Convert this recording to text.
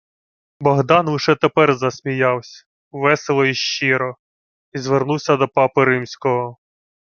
Богдан лише тепер засміявсь — весело й щиро, й звернувся до папи римського: